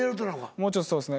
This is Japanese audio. もうちょっとそうですね